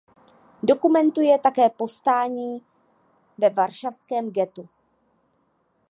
Dokumentuje také Povstání ve varšavském ghettu.